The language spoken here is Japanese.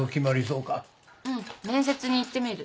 うん面接に行ってみる。